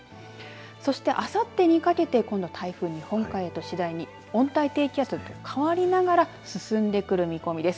そしてあさってにかけてこの台風日本海へと次第に温帯低気圧へと変わりながら進んでくる見込みです。